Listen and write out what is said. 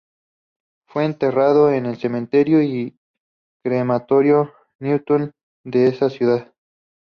Fue enterrado en el Cementerio y Crematorio Newton de esa ciudad.